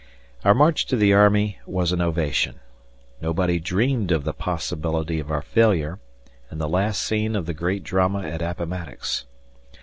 Our march to the army was an ovation. Nobody dreamed of the possibility of our failure and the last scene of the great drama at Appomattox.